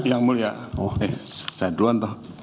yang mulia saya duluan